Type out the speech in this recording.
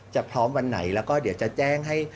พร้อมวันไหนแล้วก็เดี๋ยวจะแจ้งให้